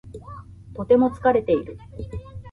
とても疲れている。